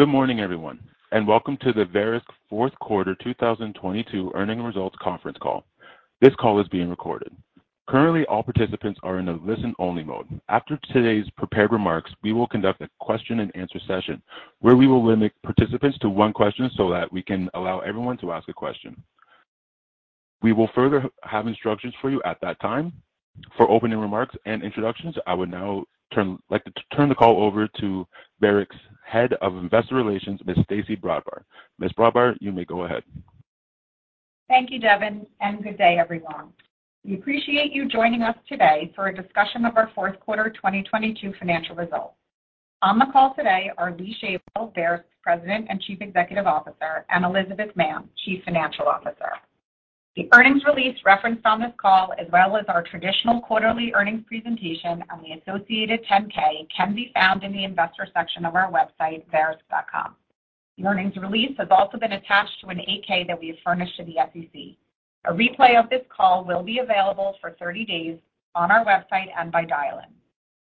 Good morning, everyone, welcome to the Verisk fourth quarter 2022 earnings results conference call. This call is being recorded. Currently, all participants are in a listen-only mode. After today's prepared remarks, we will conduct a question and answer session where we will limit participants to one question so that we can allow everyone to ask a question. We will further have instructions for you at that time. For opening remarks and introductions, I would now like to turn the call over to Verisk's Head of Investor Relations, Miss Stacey Brodbar. Miss Brodbar, you may go ahead. Thank you, Devin. Good day, everyone. We appreciate you joining us today for a discussion of our fourth quarter 2022 financial results. On the call today are Lee Shavel, Verisk's President and Chief Executive Officer, and Elizabeth Mann, Chief Financial Officer. The earnings release referenced on this call as well as our traditional quarterly earnings presentation and the associated 10-K can be found in the investor section of our website, verisk.com. The earnings release has also been attached to an 8-K that we have furnished to the SEC. A replay of this call will be available for 30 days on our website and by dial-in.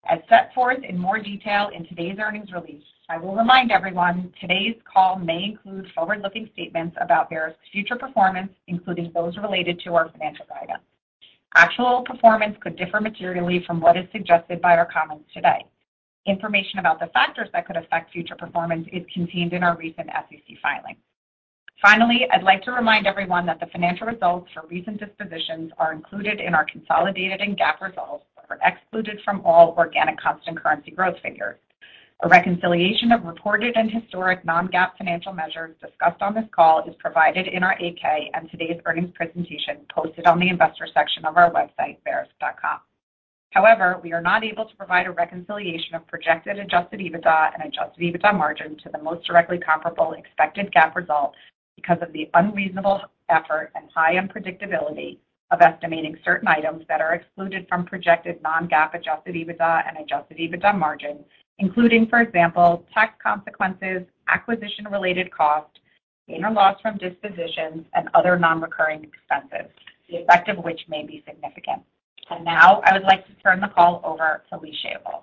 As set forth in more detail in today's earnings release, I will remind everyone today's call may include forward-looking statements about Verisk's future performance, including those related to our financial guidance. Actual performance could differ materially from what is suggested by our comments today. Information about the factors that could affect future performance is contained in our recent SEC filings. I'd like to remind everyone that the financial results for recent dispositions are included in our consolidated and GAAP results but are excluded from all organic constant currency growth figures. A reconciliation of reported and historic non-GAAP financial measures discussed on this call is provided in our 8-K and today's earnings presentation posted on the investor section of our website, verisk.com. However, we are not able to provide a reconciliation of projected adjusted EBITDA and adjusted EBITDA margin to the most directly comparable expected GAAP results because of the unreasonable effort and high unpredictability of estimating certain items that are excluded from projected non-GAAP adjusted EBITDA and adjusted EBITDA margins, including, for example, tax consequences, acquisition-related costs, gain or loss from dispositions, and other non-recurring expenses, the effect of which may be significant. Now I would like to turn the call over to Lee Shavel.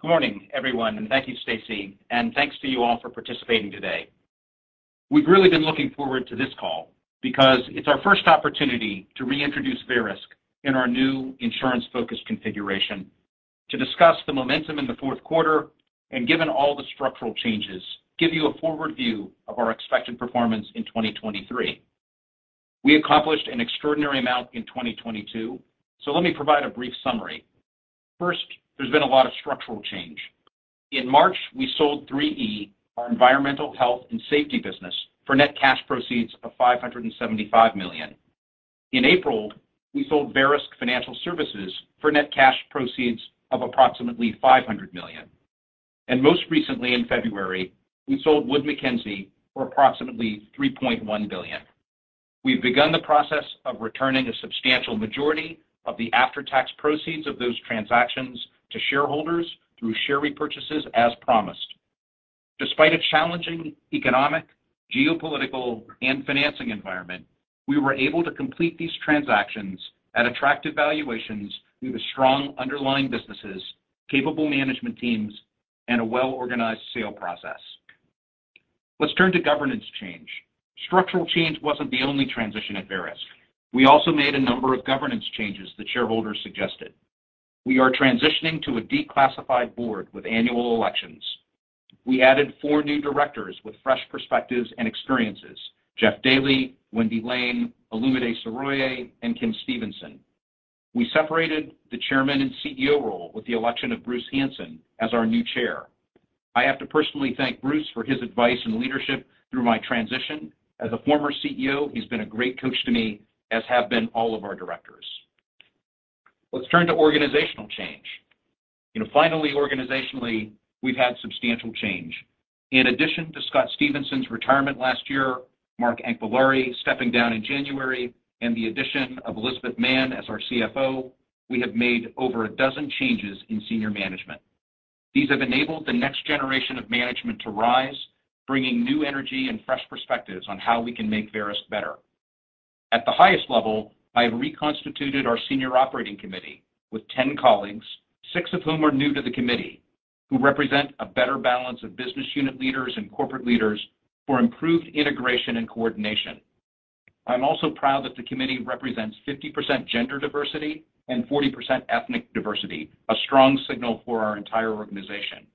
Good morning, everyone, and thank you, Stacey, and thanks to you all for participating today. We've really been looking forward to this call because it's our first opportunity to reintroduce Verisk in our new insurance-focused configuration to discuss the momentum in the fourth quarter and, given all the structural changes, give you a forward view of our expected performance in 2023. We accomplished an extraordinary amount in 2022, let me provide a brief summary. First, there's been a lot of structural change. In March, we sold 3E, our environmental health and safety business, for net cash proceeds of $575 million. In April, we sold Verisk Financial Services for net cash proceeds of approximately $500 million. Most recently, in February, we sold Wood Mackenzie for approximately $3.1 billion. We've begun the process of returning a substantial majority of the after-tax proceeds of those transactions to shareholders through share repurchases as promised. Despite a challenging economic, geopolitical, and financing environment, we were able to complete these transactions at attractive valuations due to strong underlying businesses, capable management teams, and a well-organized sale process. Let's turn to governance change. Structural change wasn't the only transition at Verisk. We also made a number of governance changes that shareholders suggested. We are transitioning to a declassified board with annual elections. We added four new directors with fresh perspectives and experiences, Jeff Dailey, Wendy Lane, Olumide Soroye, and Kim Stevenson. We separated the chairman and CEO role with the election of Bruce Hansen as our new chair. I have to personally thank Bruce for his advice and leadership through my transition. As a former CEO, he's been a great coach to me, as have been all of our directors. Let's turn to organizational change. You know, finally, organizationally, we've had substantial change. In addition to Scott Stephenson's retirement last year, Mark Anquillare stepping down in January, and the addition of Elizabeth Mann as our CFO, we have made over 12 changes in senior management. These have enabled the next generation of management to rise, bringing new energy and fresh perspectives on how we can make Verisk better. At the highest level, I have reconstituted our senior operating committee with 10 colleagues, six of whom are new to the committee, who represent a better balance of business unit leaders and corporate leaders for improved integration and coordination. I'm also proud that the committee represents 50% gender diversity and 40% ethnic diversity, a strong signal for our entire organization.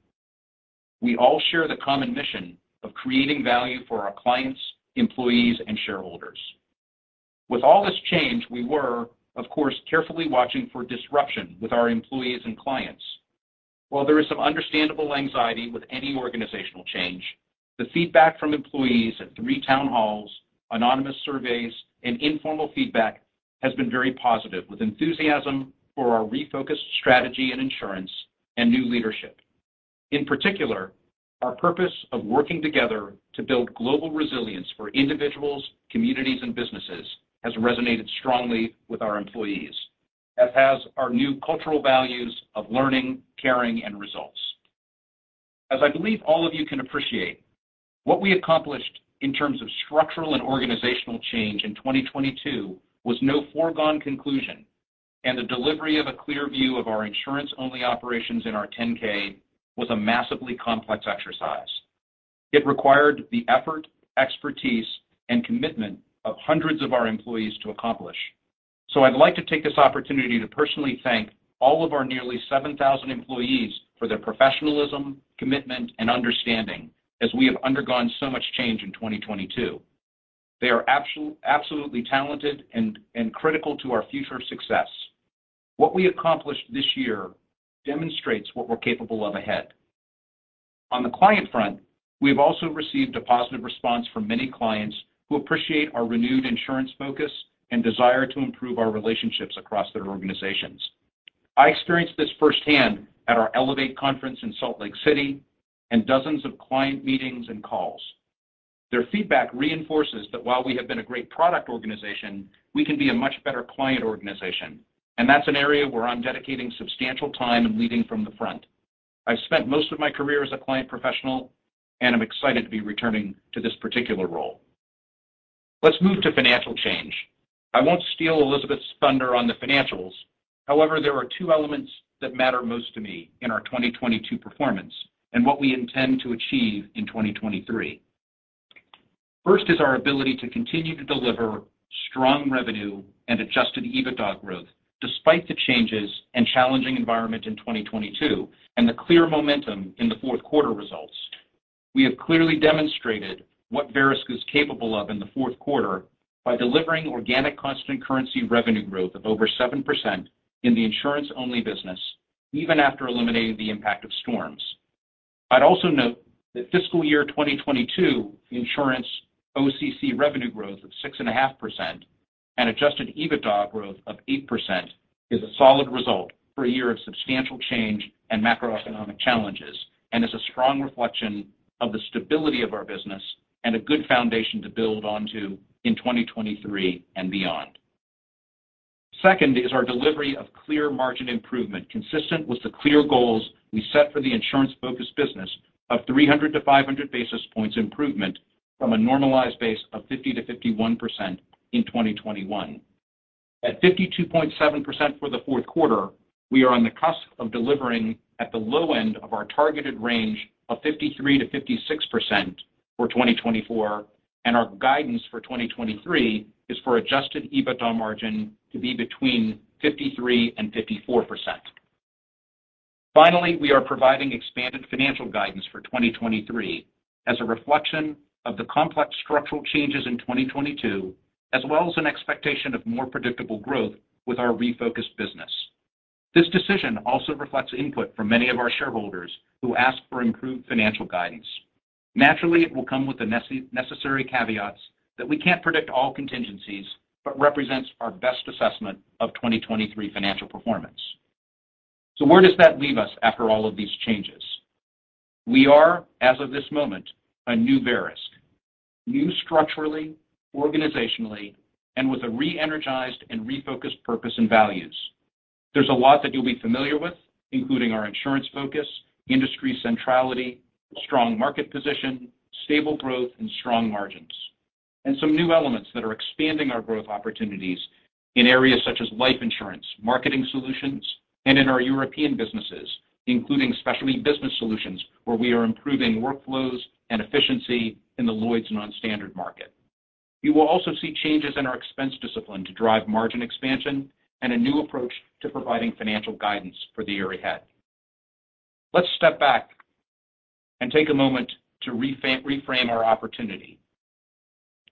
We all share the common mission of creating value for our clients, employees, and shareholders. With all this change, we were, of course, carefully watching for disruption with our employees and clients. While there is some understandable anxiety with any organizational change, the feedback from employees at three town halls, anonymous surveys, and informal feedback has been very positive, with enthusiasm for our refocused strategy in insurance and new leadership. In particular, our purpose of working together to build global resilience for individuals, communities, and businesses has resonated strongly with our employees, as has our new cultural values of learning, caring, and results. As I believe all of you can appreciate. What we accomplished in terms of structural and organizational change in 2022 was no foregone conclusion, and the delivery of a clear view of our insurance-only operations in our 10-K was a massively complex exercise. It required the effort, expertise, and commitment of hundreds of our employees to accomplish. I'd like to take this opportunity to personally thank all of our nearly 7,000 employees for their professionalism, commitment, and understanding as we have undergone so much change in 2022. They are absolutely talented and critical to our future success. What we accomplished this year demonstrates what we're capable of ahead. On the client front, we've also received a positive response from many clients who appreciate our renewed insurance focus and desire to improve our relationships across their organizations. I experienced this firsthand at our Elevate conference in Salt Lake City and dozens of client meetings and calls. Their feedback reinforces that while we have been a great product organization, we can be a much better client organization, and that's an area where I'm dedicating substantial time and leading from the front. I've spent most of my career as a client professional, and I'm excited to be returning to this particular role. Let's move to financial change. I won't steal Elizabeth's thunder on the financials. However, there are two elements that matter most to me in our 2022 performance and what we intend to achieve in 2023. First is our ability to continue to deliver strong revenue and adjusted EBITDA growth despite the changes and challenging environment in 2022 and the clear momentum in the fourth quarter results. We have clearly demonstrated what Verisk is capable of in the fourth quarter by delivering organic constant currency revenue growth of over 7% in the insurance-only business, even after eliminating the impact of storms. I'd also note that fiscal year 2022 insurance OCC revenue growth of 6.5% and adjusted EBITDA growth of 8% is a solid result for a year of substantial change and macroeconomic challenges and is a strong reflection of the stability of our business and a good foundation to build onto in 2023 and beyond. Second is our delivery of clear margin improvement consistent with the clear goals we set for the insurance-focused business of 300-500 basis points improvement from a normalized base of 50%-51% in 2021. At 52.7% for the fourth quarter, we are on the cusp of delivering at the low end of our targeted range of 53%-56% for 2024, and our guidance for 2023 is for adjusted EBITDA margin to be between 53% and 54%. We are providing expanded financial guidance for 2023 as a reflection of the complex structural changes in 2022, as well as an expectation of more predictable growth with our refocused business. This decision also reflects input from many of our shareholders who ask for improved financial guidance. Naturally, it will come with the necessary caveats that we can't predict all contingencies but represents our best assessment of 2023 financial performance. Where does that leave us after all of these changes? We are, as of this moment, a new Verisk, new structurally, organizationally, and with a re-energized and refocused purpose and values. There's a lot that you'll be familiar with, including our insurance focus, industry centrality, strong market position, stable growth, and strong margins. Some new elements that are expanding our growth opportunities in areas such as life insurance, marketing solutions, and in our European businesses, including specialty business solutions, where we are improving workflows and efficiency in the Lloyd's non-standard market. You will also see changes in our expense discipline to drive margin expansion and a new approach to providing financial guidance for the year ahead. Let's step back and take a moment to reframe our opportunity.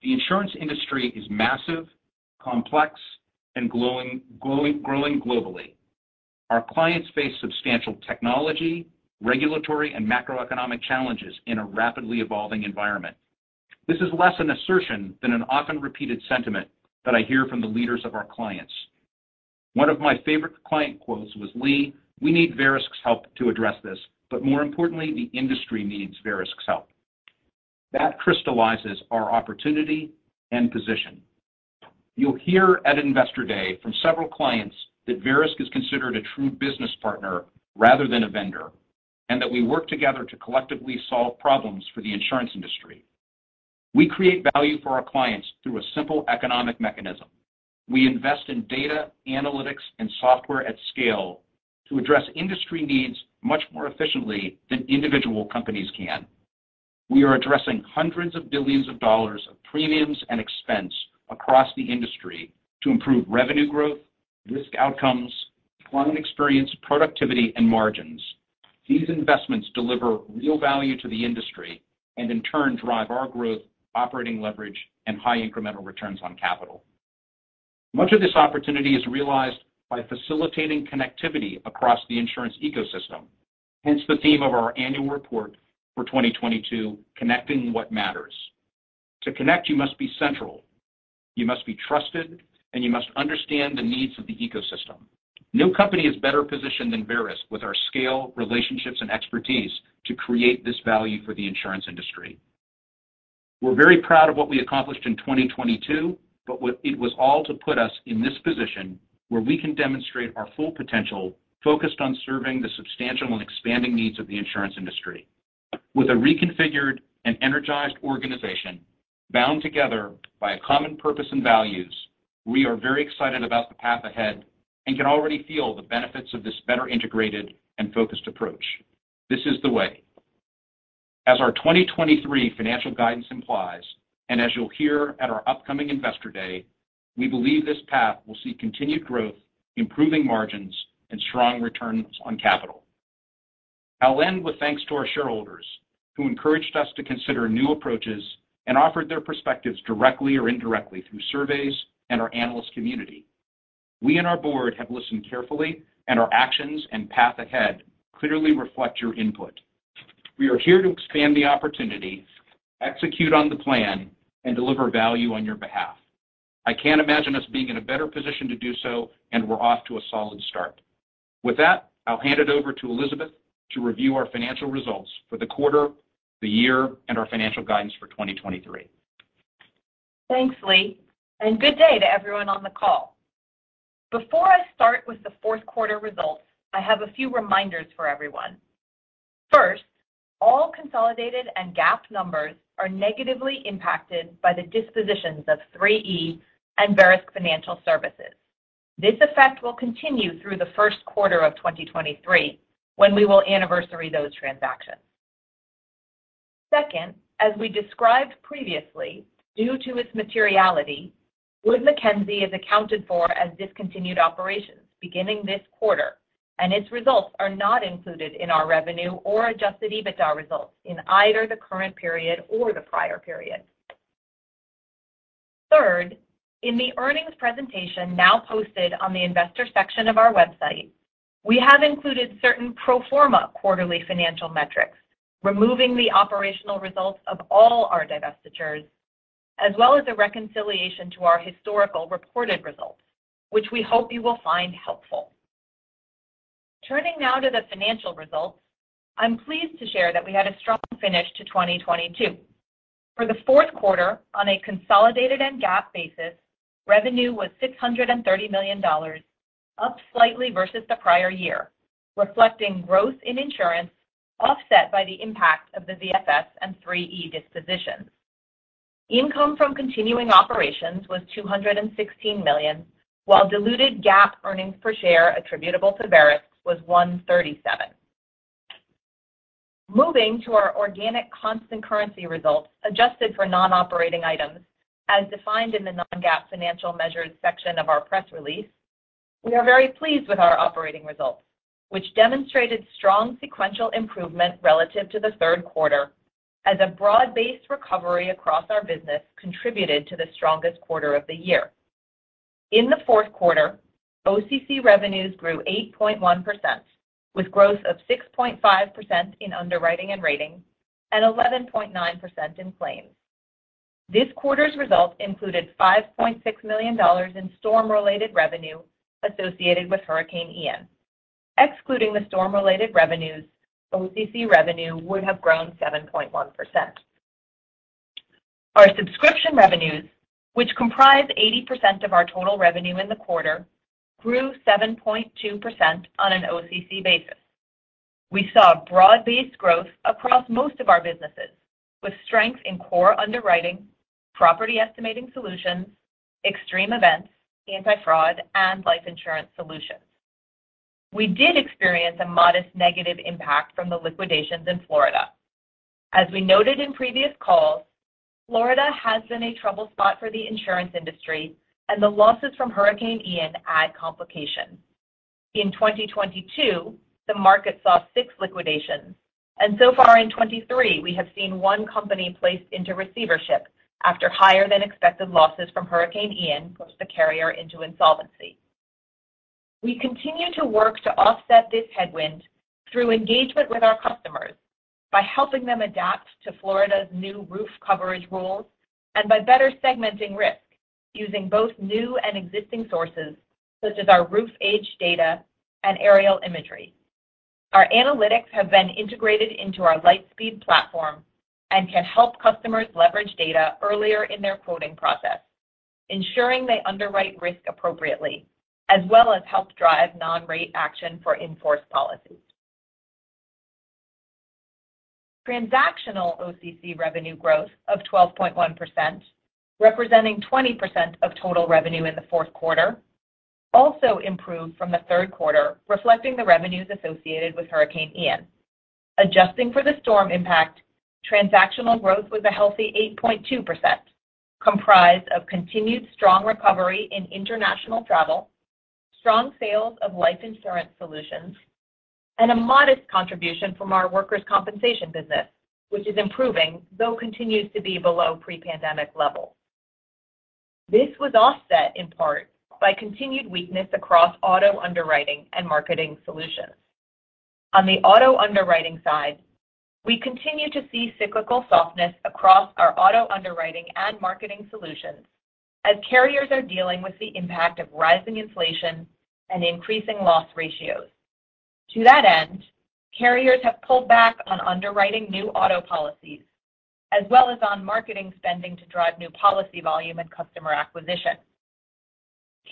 The insurance industry is massive, complex, and growing globally. Our clients face substantial technology, regulatory, and macroeconomic challenges in a rapidly evolving environment. This is less an assertion than an often repeated sentiment that I hear from the leaders of our clients. One of my favorite client quotes was, "Lee, we need Verisk's help to address this, but more importantly, the industry needs Verisk's help." That crystallizes our opportunity and position. You'll hear at Investor Day from several clients that Verisk is considered a true business partner rather than a vendor, and that we work together to collectively solve problems for the insurance industry. We create value for our clients through a simple economic mechanism. We invest in data, analytics, and software at scale to address industry needs much more efficiently than individual companies can. We are addressing hundreds of billions of dollars of premiums and expense across the industry to improve revenue growth, risk outcomes, client experience, productivity, and margins. These investments deliver real value to the industry and in turn drive our growth, operating leverage, and high incremental returns on capital. Much of this opportunity is realized by facilitating connectivity across the insurance ecosystem, hence the theme of our annual report for 2022, Connecting What Matters. To connect, you must be central, you must be trusted, and you must understand the needs of the ecosystem. No company is better positioned than Verisk with our scale, relationships, and expertise to create this value for the insurance industry. We're very proud of what we accomplished in 2022, but it was all to put us in this position where we can demonstrate our full potential focused on serving the substantial and expanding needs of the insurance industry. With a reconfigured and energized organization bound together by a common purpose and values, we are very excited about the path ahead and can already feel the benefits of this better integrated and focused approach. This is the way. As our 2023 financial guidance implies, and as you'll hear at our upcoming Investor Day, we believe this path will see continued growth, improving margins, and strong returns on capital. I'll end with thanks to our shareholders, who encouraged us to consider new approaches and offered their perspectives directly or indirectly through surveys and our analyst community. We and our board have listened carefully, and our actions and path ahead clearly reflect your input. We are here to expand the opportunity, execute on the plan, and deliver value on your behalf. I can't imagine us being in a better position to do so, and we're off to a solid start. With that, I'll hand it over to Elizabeth to review our financial results for the quarter, the year, and our financial guidance for 2023. Thanks, Lee, and good day to everyone on the call. Before I start with the fourth quarter results, I have a few reminders for everyone. First, all consolidated and GAAP numbers are negatively impacted by the dispositions of 3E and Verisk Financial Services. This effect will continue through the first quarter of 2023, when we will anniversary those transactions. Second, as we described previously, due to its materiality, Wood Mackenzie is accounted for as discontinued operations beginning this quarter, and its results are not included in our revenue or adjusted EBITDA results in either the current period or the prior period. Third, in the earnings presentation now posted on the investor section of our website, we have included certain pro forma quarterly financial metrics, removing the operational results of all our divestitures, as well as a reconciliation to our historical reported results, which we hope you will find helpful. Turning now to the financial results, I'm pleased to share that we had a strong finish to 2022. For the fourth quarter, on a consolidated and GAAP basis, revenue was $630 million, up slightly versus the prior year, reflecting growth in insurance offset by the impact of the VFS and 3E dispositions. Income from continuing operations was $216 million, while diluted GAAP earnings per share attributable to Verisk was $1.37. Moving to our organic constant currency results adjusted for non-operating items, as defined in the non-GAAP financial measures section of our press release, we are very pleased with our operating results, which demonstrated strong sequential improvement relative to the third quarter as a broad-based recovery across our business contributed to the strongest quarter of the year. In the fourth quarter, OCC revenues grew 8.1%, with growth of 6.5% in underwriting and rating and 11.9% in claims. This quarter's results included $5.6 million in storm-related revenue associated with Hurricane Ian. Excluding the storm-related revenues, OCC revenue would have grown 7.1%. Our subscription revenues, which comprise 80% of our total revenue in the quarter, grew 7.2% on an OCC basis. We saw broad-based growth across most of our businesses, with strength in core underwriting, property estimating solutions, extreme events, anti-fraud, and life insurance solutions. We did experience a modest negative impact from the liquidations in Florida. As we noted in previous calls, Florida has been a trouble spot for the insurance industry, and the losses from Hurricane Ian add complication. In 2022, the market saw six liquidations. So far in 2023, we have seen one company placed into receivership after higher-than-expected losses from Hurricane Ian pushed the carrier into insolvency. We continue to work to offset this headwind through engagement with our customers by helping them adapt to Florida's new roof coverage rules and by better segmenting risk using both new and existing sources, such as our roof age data and aerial imagery. Our analytics have been integrated into our LightSpeed platform and can help customers leverage data earlier in their quoting process, ensuring they underwrite risk appropriately, as well as help drive non-rate action for in-force policies. Transactional OCC revenue growth of 12.1%, representing 20% of total revenue in the fourth quarter, also improved from the third quarter, reflecting the revenues associated with Hurricane Ian. Adjusting for the storm impact, transactional growth was a healthy 8.2%, comprised of continued strong recovery in international travel, strong sales of life insurance solutions, and a modest contribution from our workers' compensation business, which is improving, though continues to be below pre-pandemic levels. This was offset in part by continued weakness across auto underwriting and marketing solutions. On the auto underwriting side, we continue to see cyclical softness across our auto underwriting and marketing solutions as carriers are dealing with the impact of rising inflation and increasing loss ratios. To that end, carriers have pulled back on underwriting new auto policies, as well as on marketing spending to drive new policy volume and customer acquisition.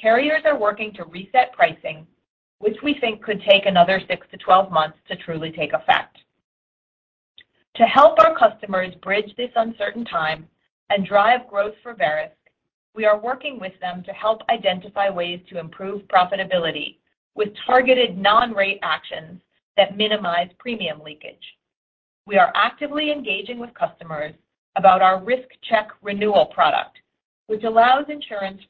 Carriers are working to reset pricing, which we think could take another 6-12 months to truly take effect. To help our customers bridge this uncertain time and drive growth for Verisk, we are working with them to help identify ways to improve profitability with targeted non-rate actions that minimize premium leakage. We are actively engaging with customers about our Risk Check Renewal product, which allows insurers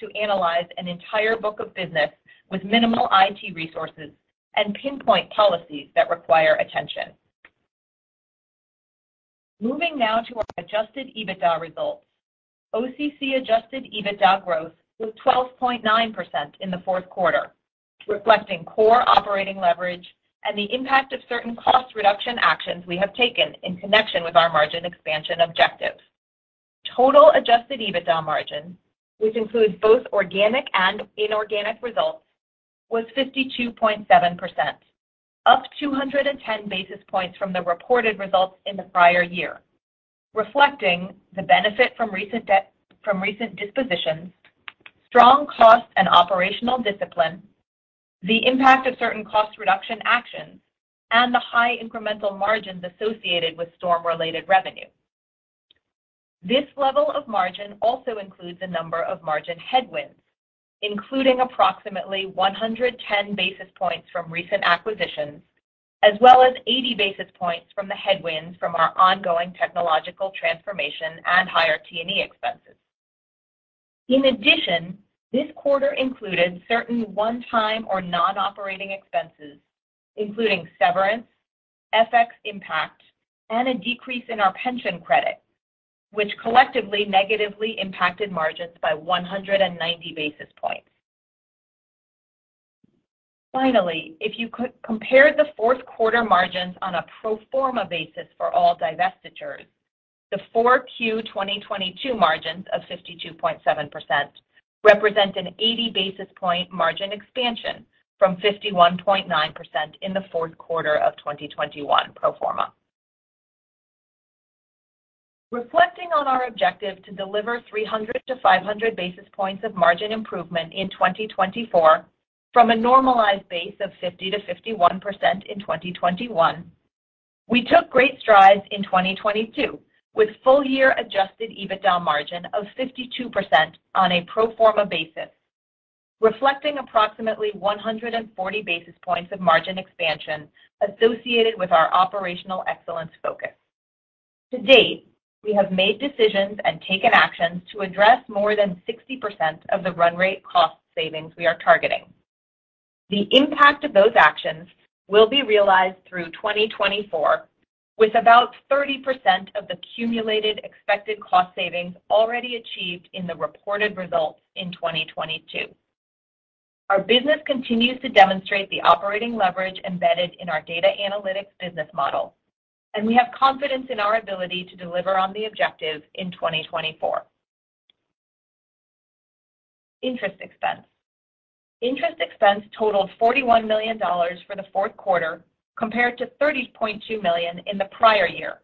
to analyze an entire book of business with minimal IT resources and pinpoint policies that require attention. Moving now to our adjusted EBITDA results. OCC adjusted EBITDA growth was 12.9% in the fourth quarter, reflecting core operating leverage and the impact of certain cost reduction actions we have taken in connection with our margin expansion objectives. Total adjusted EBITDA margin, which includes both organic and inorganic results, was 52.7%, up 210 basis points from the reported results in the prior year, reflecting the benefit from recent dispositions, strong cost and operational discipline, the impact of certain cost reduction actions, and the high incremental margins associated with storm-related revenue. This level of margin also includes a number of margin headwinds, including approximately 110 basis points from recent acquisitions, as well as 80 basis points from the headwinds from our ongoing technological transformation and higher T&E expenses. This quarter included certain one-time or non-operating expenses, including severance, FX impact, and a decrease in our pension credit, which collectively negatively impacted margins by 190 basis points. Finally, if you could compare the fourth quarter margins on a pro forma basis for all divestitures, the 4Q 2022 margins of 52.7% represent an 80 basis point margin expansion from 51.9% in the fourth quarter of 2021 pro forma. Reflecting on our objective to deliver 300 to 500 basis points of margin improvement in 2024 from a normalized base of 50%-51% in 2021, we took great strides in 2022 with full year adjusted EBITDA margin of 52% on a pro forma basis, reflecting approximately 140 basis points of margin expansion associated with our operational excellence focus. To date, we have made decisions and taken actions to address more than 60% of the run rate cost savings we are targeting. The impact of those actions will be realized through 2024, with about 30% of the cumulated expected cost savings already achieved in the reported results in 2022. Our business continues to demonstrate the operating leverage embedded in our data analytics business model, and we have confidence in our ability to deliver on the objective in 2024. Interest expense. Interest expense totaled $41 million for the fourth quarter compared to $30.2 million in the prior year.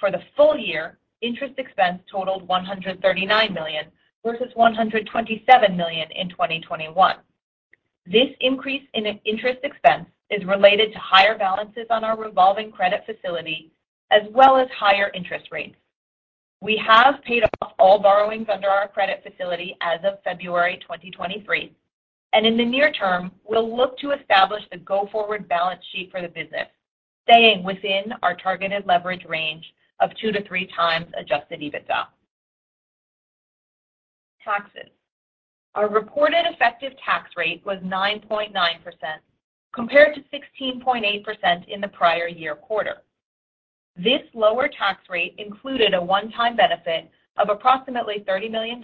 For the full year, interest expense totaled $139 million versus $127 million in 2021. This increase in interest expense is related to higher balances on our revolving credit facility as well as higher interest rates. We have paid off all borrowings under our credit facility as of February 2023. In the near term, we'll look to establish the go-forward balance sheet for the business, staying within our targeted leverage range of 2-3 times adjusted EBITDA. Taxes. Our reported effective tax rate was 9.9% compared to 16.8% in the prior year quarter. This lower tax rate included a one-time benefit of approximately $30 million,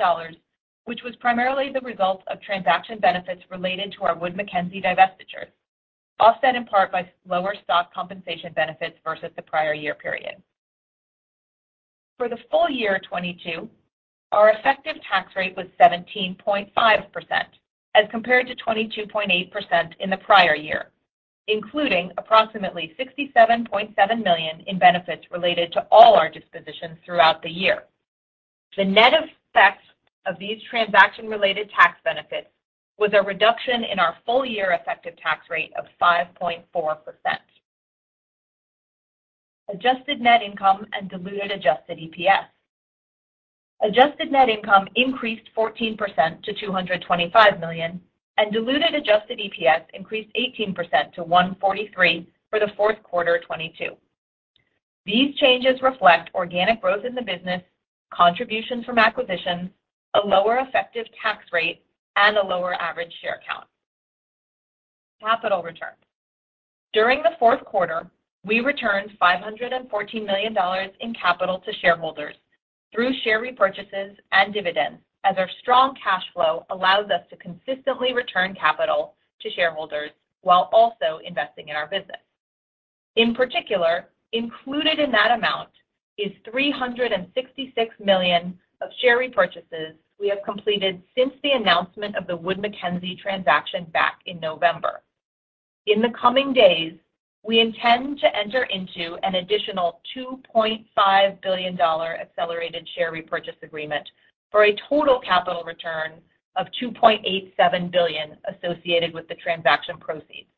which was primarily the result of transaction benefits related to our Wood Mackenzie divestitures, offset in part by lower stock compensation benefits versus the prior year period. For the full year 2022, our effective tax rate was 17.5% as compared to 22.8% in the prior year, including approximately $67.7 million in benefits related to all our dispositions throughout the year. The net effect of these transaction-related tax benefits was a reduction in our full year effective tax rate of 5.4%. Adjusted net income and diluted adjusted EPS. Adjusted net income increased 14% to $225 million, and diluted adjusted EPS increased 18% to $1.43 for the fourth quarter 2022. These changes reflect organic growth in the business, contributions from acquisitions, a lower effective tax rate, and a lower average share count. Capital return. During the fourth quarter, we returned $514 million in capital to shareholders through share repurchases and dividends, as our strong cash flow allows us to consistently return capital to shareholders while also investing in our business. In particular, included in that amount is $366 million of share repurchases we have completed since the announcement of the Wood Mackenzie transaction back in November. In the coming days, we intend to enter into an additional $2.5 billion accelerated share repurchase agreement for a total capital return of $2.87 billion associated with the transaction proceeds.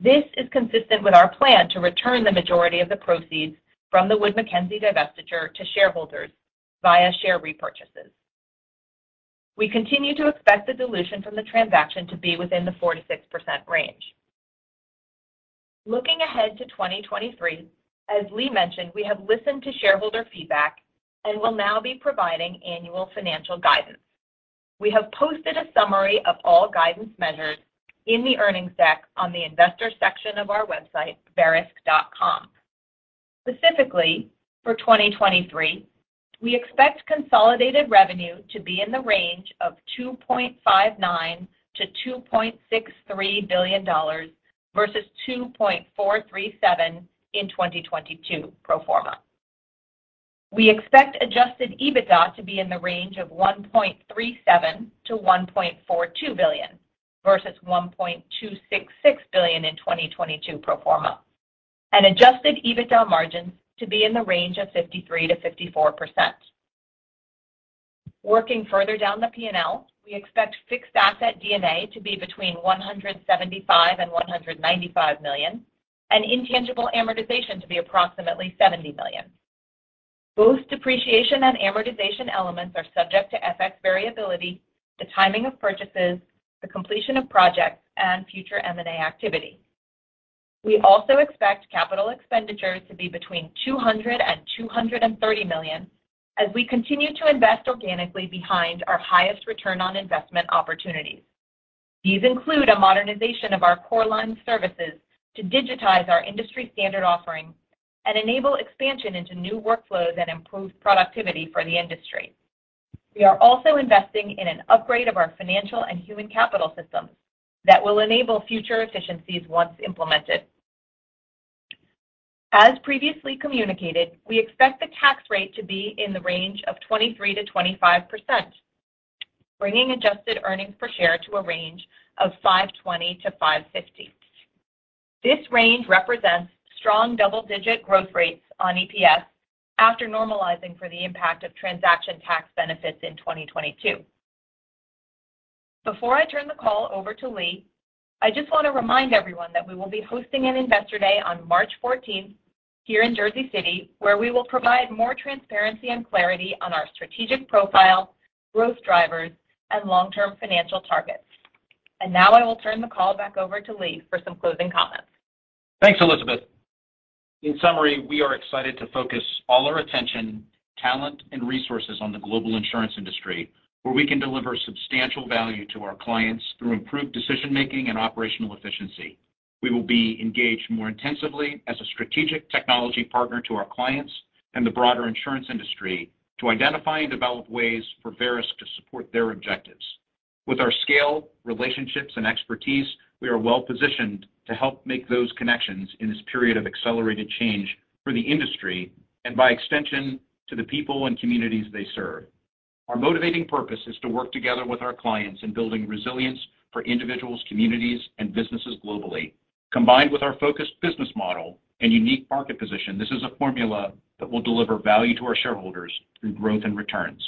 This is consistent with our plan to return the majority of the proceeds from the Wood Mackenzie divestiture to shareholders via share repurchases. We continue to expect the dilution from the transaction to be within the 4%-6% range. Looking ahead to 2023, as Lee mentioned, we have listened to shareholder feedback and will now be providing annual financial guidance. We have posted a summary of all guidance measures in the earnings deck on the investor section of our website, verisk.com. Specifically, for 2023, we expect consolidated revenue to be in the range of $2.59 billion-$2.63 billion versus $2.437 billion in 2022 pro forma. We expect adjusted EBITDA to be in the range of $1.37 billion-$1.42 billion versus $1.266 billion in 2022 pro forma, and adjusted EBITDA margins to be in the range of 53%-54%. Working further down the P&L, we expect fixed asset D&A to be between $175 million and $195 million, and intangible amortization to be approximately $70 million. Both depreciation and amortization elements are subject to FX variability, the timing of purchases, the completion of projects, and future M&A activity. We also expect capital expenditures to be between $200 million-$230 million as we continue to invest organically behind our highest return on investment opportunities. These include a modernization of our core line services to digitize our industry standard offerings and enable expansion into new workflows that improve productivity for the industry. We are also investing in an upgrade of our financial and human capital systems that will enable future efficiencies once implemented. As previously communicated, we expect the tax rate to be in the range of 23%-25%, bringing adjusted EPS to a range of $5.20-$5.50. This range represents strong double-digit growth rates on EPS after normalizing for the impact of transaction tax benefits in 2022. Before I turn the call over to Lee, I just want to remind everyone that we will be hosting an Investor Day on March fourteenth here in Jersey City, where we will provide more transparency and clarity on our strategic profile, growth drivers, and long-term financial targets. Now I will turn the call back over to Lee for some closing comments. Thanks, Elizabeth. In summary, we are excited to focus all our attention, talent, and resources on the global insurance industry, where we can deliver substantial value to our clients through improved decision-making and operational efficiency. We will be engaged more intensively as a strategic technology partner to our clients and the broader insurance industry to identify and develop ways for Verisk to support their objectives. With our scale, relationships, and expertise, we are well-positioned to help make those connections in this period of accelerated change for the industry and by extension, to the people and communities they serve. Our motivating purpose is to work together with our clients in building resilience for individuals, communities, and businesses globally. Combined with our focused business model and unique market position, this is a formula that will deliver value to our shareholders through growth and returns.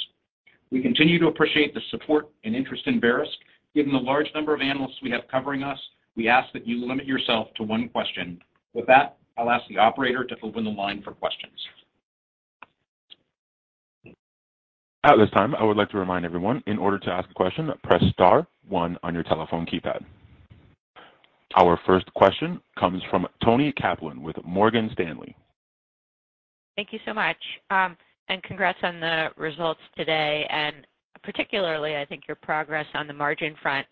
We continue to appreciate the support and interest in Verisk. Given the large number of analysts we have covering us, we ask that you limit yourself to one question. With that, I'll ask the operator to open the line for questions. At this time, I would like to remind everyone in order to ask a question, press star one on your telephone keypad. Our first question comes from Toni Kaplan with Morgan Stanley. Thank you so much. Congrats on the results today, and particularly, I think your progress on the margin front.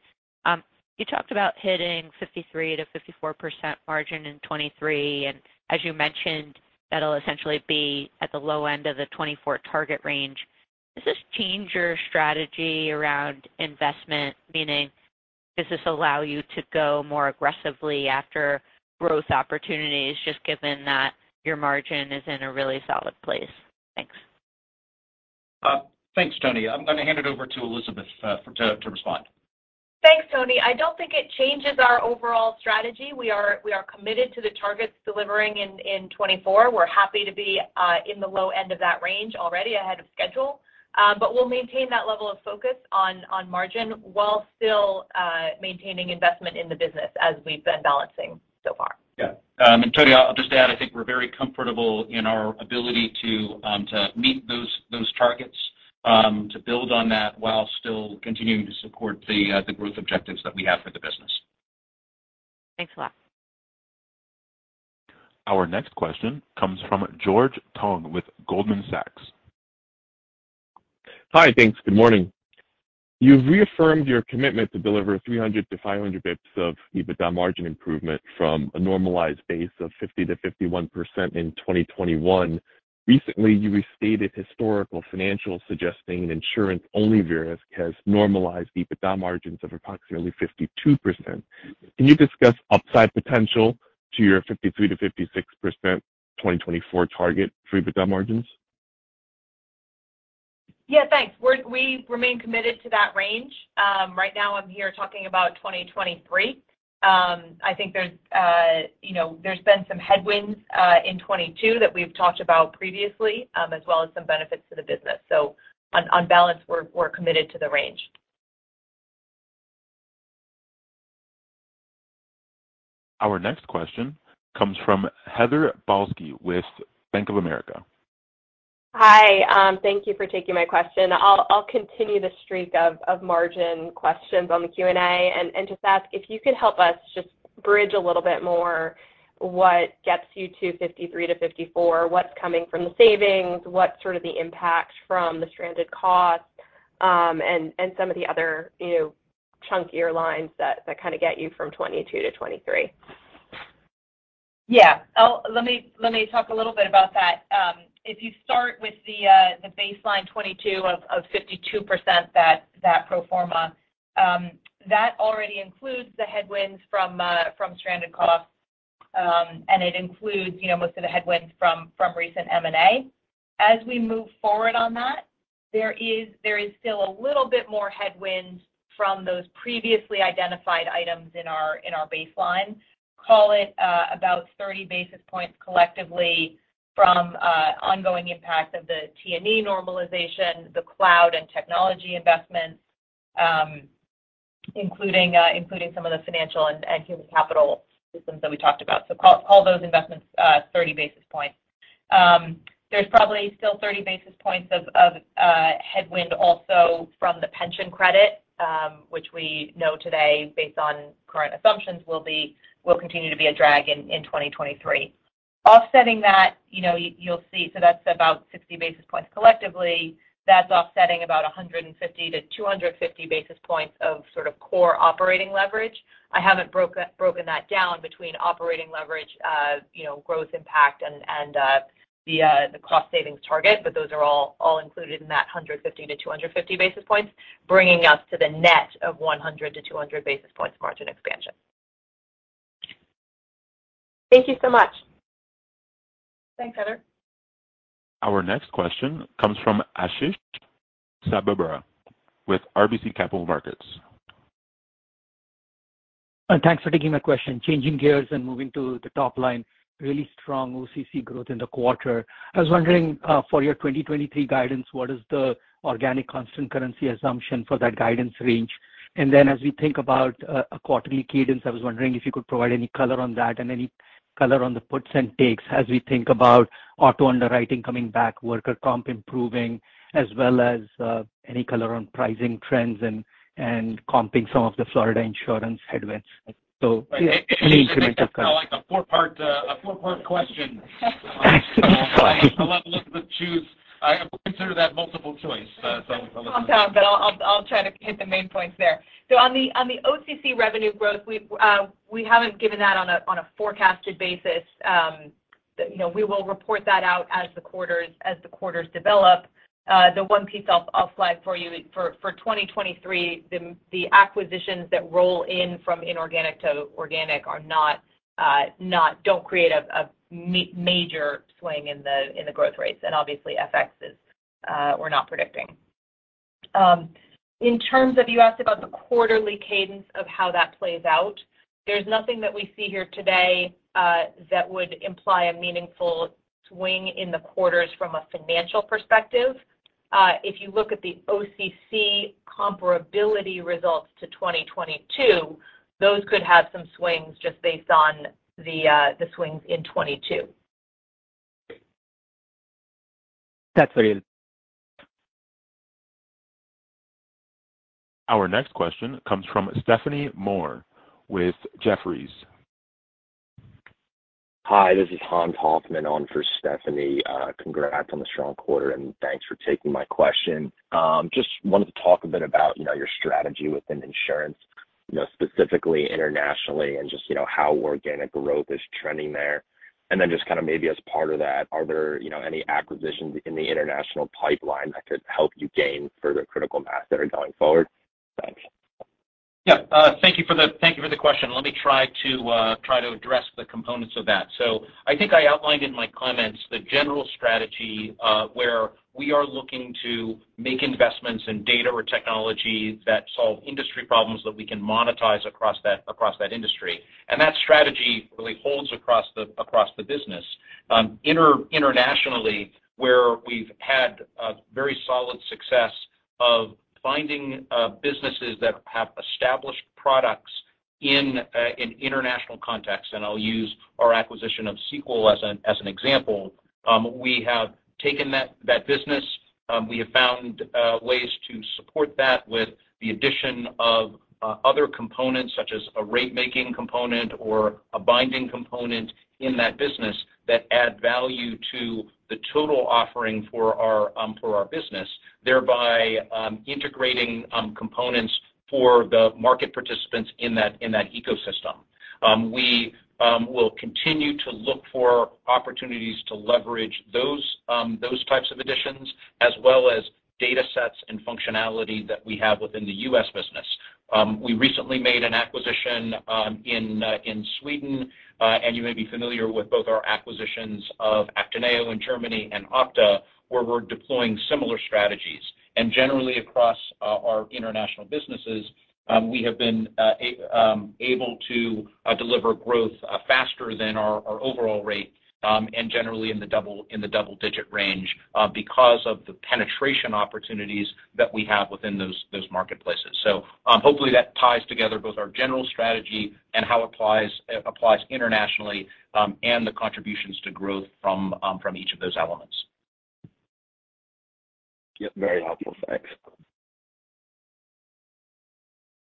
You talked about hitting 53%-54% margin in 2023, and as you mentioned, that'll essentially be at the low end of the 2024 target range. Does this change your strategy around investment? Meaning, does this allow you to go more aggressively after growth opportunities just given that your margin is in a really solid place? Thanks. Thanks, Toni. I'm gonna hand it over to Elizabeth, to respond. Thanks, Toni. I don't think it changes our overall strategy. We are committed to the targets delivering in 2024. We're happy to be in the low end of that range already ahead of schedule. We'll maintain that level of focus on margin while still maintaining investment in the business as we've been balancing so far. Yeah. Toni, I'll just add, I think we're very comfortable in our ability to meet those targets, to build on that while still continuing to support the growth objectives that we have for the business. Thanks a lot. Our next question comes from George Tong with Goldman Sachs. Hi. Thanks. Good morning. You've reaffirmed your commitment to deliver 300-500 basis points of EBITDA margin improvement from a normalized base of 50%-51% in 2021. Recently, you restated historical financials suggesting an insurance-only Verisk has normalized EBITDA margins of approximately 52%. Can you discuss upside potential to your 53%-56% 2024 target for EBITDA margins? Yeah, thanks. We remain committed to that range. Right now I'm here talking about 2023. I think there's, you know, there's been some headwinds in 2022 that we've talked about previously, as well as some benefits to the business. On balance, we're committed to the range. Our next question comes from Heather Balsky with Bank of America. Hi. thank you for taking my question. I'll continue the streak of margin questions on the Q&A, and just ask if you could help us just bridge a little bit more what gets you to 53%-54%, what's coming from the savings, what's sort of the impact from the stranded costs, and some of the other, you know, chunkier lines that kinda get you from 2022 to 2023. Yeah. Let me, let me talk a little bit about that. If you start with the baseline 22% of 52% that pro forma, that already includes the headwinds from stranded costs, and it includes, you know, most of the headwinds from recent M&A. As we move forward on that, there is still a little bit more headwinds from those previously identified items in our baseline. Call it about 30 basis points collectively from ongoing impact of the T&E normalization, the cloud and technology investments, including some of the financial and human capital systems that we talked about. Call those investments 30 basis points. There's probably still 30 basis points of headwind also from the pension credit, which we know today based on current assumptions will continue to be a drag in 2023. Offsetting that, you know, you'll see. So that's about 60 basis points collectively. That's offsetting about 150-250 basis points of sort of core operating leverage. I haven't broken that down between operating leverage, you know, growth impact and the cost savings target, but those are all included in that 150-250 basis points, bringing us to the net of 100-200 basis points margin expansion. Thank you so much. Thanks, Heather. Our next question comes from Ashish Sabadra with RBC Capital Markets. Thanks for taking my question. Changing gears and moving to the top line, really strong OCC growth in the quarter. I was wondering for your 2023 guidance, what is the organic constant currency assumption for that guidance range? Then as we think about a quarterly cadence, I was wondering if you could provide any color on that and any color on the puts and takes as we think about auto underwriting coming back, worker comp improving, as well as any color on pricing trends and comping some of the Florida insurance headwinds. Any color. That's like a four-part, a four-part question. Sorry. I'll have Elizabeth choose. I consider that multiple choice. I'll try to hit the main points there. On the OCC revenue growth, we haven't given that on a forecasted basis. You know, we will report that out as the quarters develop. The one piece I'll flag for you for 2023, the acquisitions that roll in from inorganic to organic don't create a major swing in the growth rates. Obviously, FX we're not predicting. In terms of you asked about the quarterly cadence of how that plays out, there's nothing that we see here today that would imply a meaningful swing in the quarters from a financial perspective. If you look at the OCC comparability results to 2022, those could have some swings just based on the swings in 2022. That's very helpful. Our next question comes from Stephanie Moore with Jefferies. Hi, this is Hans Hoffman on for Stephanie. Congrats on the strong quarter, and thanks for taking my question. Just wanted to talk a bit about, you know, your strategy within insurance, you know, specifically internationally and just, you know, how organic growth is trending there. Just kinda maybe as part of that, are there, you know, any acquisitions in the international pipeline that could help you gain further critical mass there going forward? Thanks. Yeah. Thank you for the question. Let me try to address the components of that. I think I outlined in my comments the general strategy, where we are looking to make investments in data or technology that solve industry problems that we can monetize across that industry. That strategy really holds across the business. Internationally, where we've had a very solid success of finding businesses that have established products in international context, and I'll use our acquisition of Sequel as an example, we have taken that business, we have found ways to support that with the addition of other components such as a rate making component or a binding component in that business that add value to the total offering for our business, thereby, integrating components for the market participants in that ecosystem. We will continue to look for opportunities to leverage those types of additions as well as datasets and functionality that we have within the U.S. business. We recently made an acquisition in Sweden, and you may be familiar with both our acquisitions of ACTINEO in Germany and Opta, where we're deploying similar strategies. Generally across our international businesses, we have been able to deliver growth faster than our overall rate, and generally in the double-digit range, because of the penetration opportunities that we have within those marketplaces. Hopefully that ties together both our general strategy and how it applies internationally, and the contributions to growth from each of those elements. Yep. Very helpful. Thanks.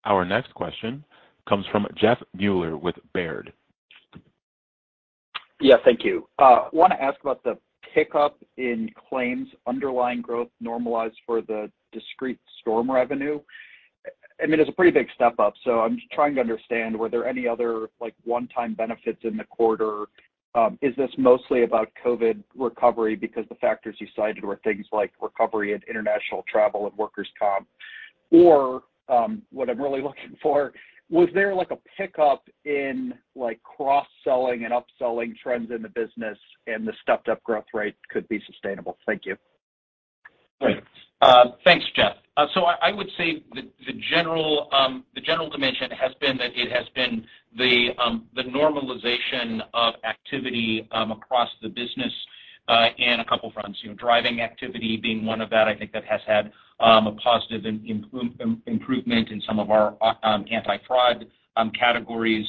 Our next question comes from Jeff Meuler with Baird. Yeah, thank you. Want to ask about the pickup in claims underlying growth normalized for the discrete storm revenue. I mean, it's a pretty big step up, so I'm just trying to understand, were there any other one-time benefits in the quarter? Is this mostly about COVID recovery because the factors you cited were things recovery in international travel and workers' comp? Or what I'm really looking for, was there a pickup in cross-selling and upselling trends in the business and the stepped up growth rate could be sustainable? Thank you. The general dimension has been that it has been the normalization of activity across the business in a couple fronts. You know, driving activity being one of that. I think that has had a positive improvement in some of our anti-fraud categories.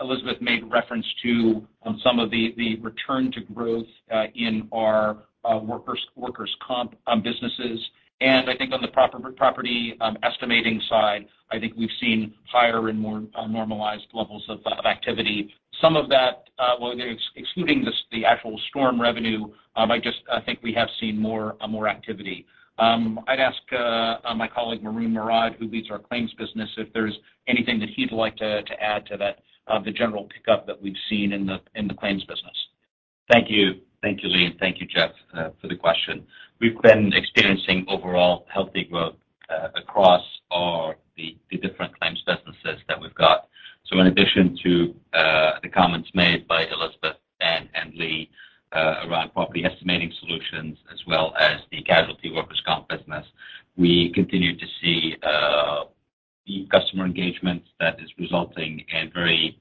Elizabeth made reference to some of the return to growth in our workers' comp businesses. I think on the property estimating side, I think we've seen higher and more normalized levels of activity. Some of that, well, excluding the actual storm revenue, I just, I think we have seen more activity I'd ask my colleague, Maroun Mourad, who leads our claims business, if there's anything that he'd like to add to that, the general pickup that we've seen in the claims business. Thank you. Thank you, Lee, and thank you, Jeff, for the question. We've been experiencing overall healthy growth across the different claims businesses that we've got. In addition to the comments made by Elizabeth and Lee, around property estimating solutions as well as the casualty workers' comp business, we continue to see deep customer engagement that is resulting in very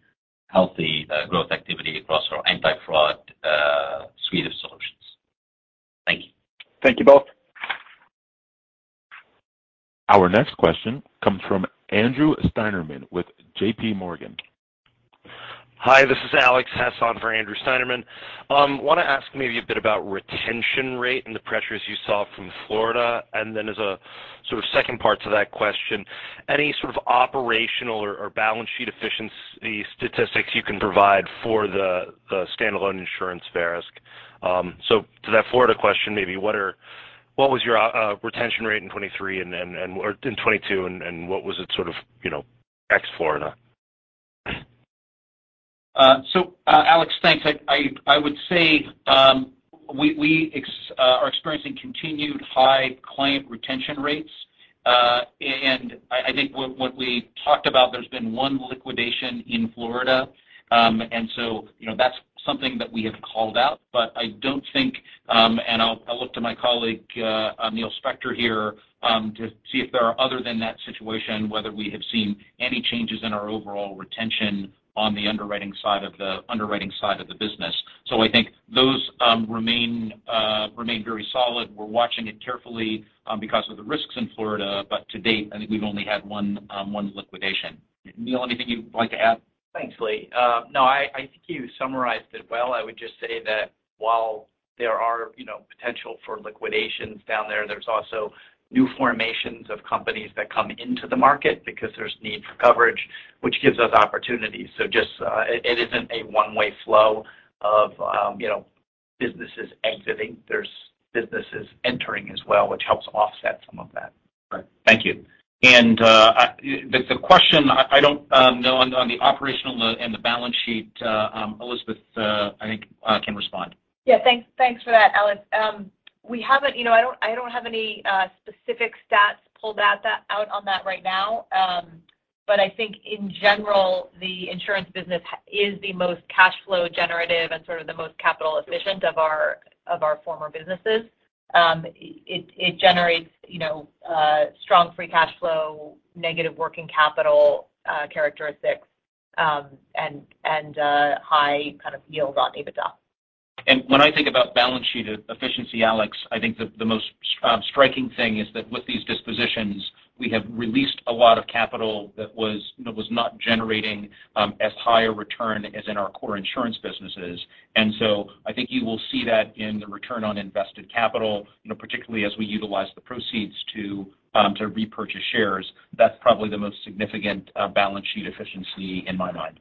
healthy growth activity across our anti-fraud suite of solutions. Thank you. Thank you both. Our next question comes from Andrew Steinerman with J.P. Morgan. Hi, this is Alex Hess for Andrew Steinerman. Wanna ask maybe a bit about retention rate and the pressures you saw from Florida. As a sort of second part to that question, any sort of operational or balance sheet efficiency statistics you can provide for the standalone insurance Verisk. To that Florida question, maybe what was your retention rate in 2023 or in 2022, and what was it sort of, you know, ex-Florida? Alex, thanks. I, I would say, we are experiencing continued high client retention rates. I think what we talked about, there's been one liquidation in Florida. You know, that's something that we have called out, but I don't think, and I'll look to my colleague, Neil Spector here, to see if there are other than that situation, whether we have seen any changes in our overall retention on the underwriting side of the business. I think those remain very solid. We're watching it carefully, because of the risks in Florida, but to date, I think we've only had one liquidation. Neil, anything you'd like to add? Thanks, Lee. No, I think you summarized it well. I would just say that while there are, you know, potential for liquidations down there's also new formations of companies that come into the market because there's need for coverage, which gives us opportunities. Just, it isn't a one-way flow of, you know, businesses exiting. There's businesses entering as well, which helps offset some of that. Right. Thank you. The question I don't know on the operational and the balance sheet, Elizabeth, I think can respond. Thanks for that, Alex. You know, I don't have any specific stats pulled out on that right now. I think in general, the insurance business is the most cash flow generative and sort of the most capital efficient of our former businesses. It generates, you know, strong free cash flow, negative working capital characteristics, and high kind of yield on EBITDA. When I think about balance sheet efficiency, Alex, I think the most striking thing is that with these dispositions, we have released a lot of capital that was not generating as high a return as in our core insurance businesses. I think you will see that in the return on invested capital, you know, particularly as we utilize the proceeds to repurchase shares. That's probably the most significant balance sheet efficiency in my mind.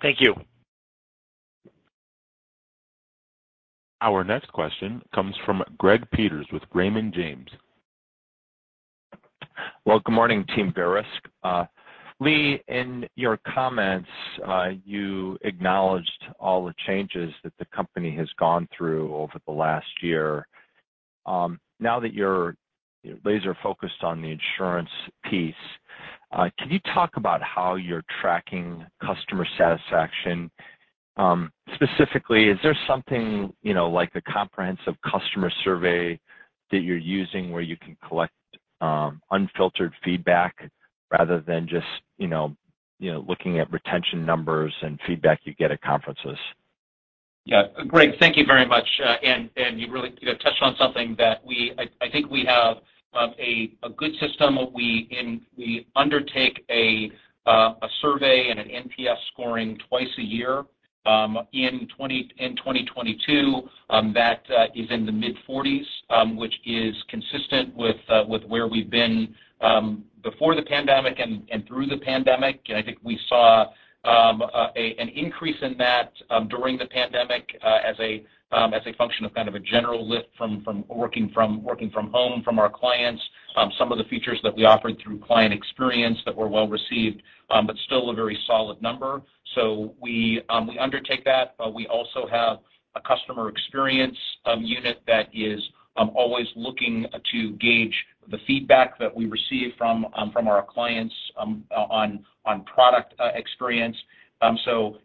Thank you. Our next question comes from Greg Peters with Raymond James. Well, good morning, team Verisk. Lee, in your comments, you acknowledged all the changes that the company has gone through over the last year. Now that you're laser-focused on the insurance piece, can you talk about how you're tracking customer satisfaction? Specifically, is there something, you know, like the comprehensive customer survey that you're using where you can collect unfiltered feedback rather than just, you know, looking at retention numbers and feedback you get at conferences? Yeah. Greg, thank you very much. You really, you know, touched on something that I think we have a good system. We undertake a survey and an NPS scoring twice a year in 2022 that is in the mid-40s, which is consistent with where we've been before the pandemic and through the pandemic. I think we saw an increase in that during the pandemic as a function of kind of a general lift from working from home from our clients, some of the features that we offered through client experience that were well received, but still a very solid number. We undertake that, but we also have a customer experience unit that is always looking to gauge the feedback that we receive from from our clients on product experience.